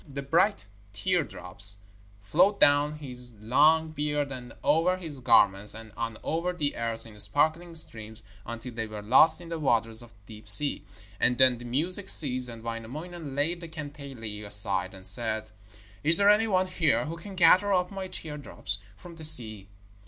The bright teardrops flowed down his long beard and over his garments, and on over the earth in sparkling streams, until they were lost in the waters of the deep sea. And then the music ceased, and Wainamoinen laid the kantele aside and said: 'Is there any one here who can gather up my teardrops from the sea?'